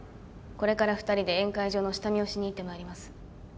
これから２人で宴会場の下見をしに行って参ります。